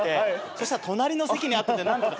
そしたら隣の席にあったんでなんとか。